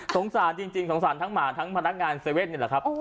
สงสารจริงสงสารทั้งหมาทั้งพนักงาน๗๑๑นี่แหละครับ